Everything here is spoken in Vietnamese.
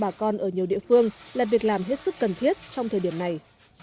và các bà con ở nhiều địa phương là việc làm hết sức cần thiết trong thời điểm này